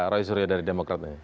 roy suryo dari demokrat